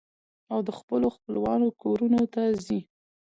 او د خپلو خپلوانو کورنو ته ځي.